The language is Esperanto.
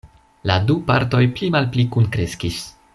La du partoj pli-malpli kunkreskis.